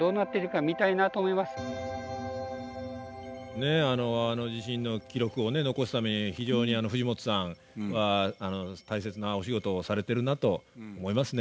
ねえあの地震の記録を残すために非常に藤本さんは大切なお仕事をされてるなと思いますね。